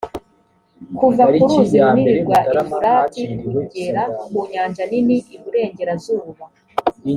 kuva ku ruzi runini rwa efurati, kugera ku nyanja nini iburengerazuba,